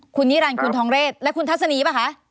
คุณนิรันดิคุณทองเรศและคุณทัศนีป่ะคะ